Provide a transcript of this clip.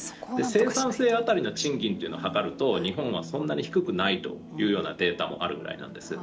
生産性当たりの賃金というのを計ると日本は、そんなに低くないというようなデータもあるぐらいなんです。